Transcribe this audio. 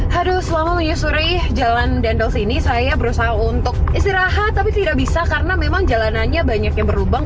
haduh selama menyusuri jalan dendels ini saya berusaha untuk istirahat tapi tidak bisa karena memang jalanannya banyak yang berlubang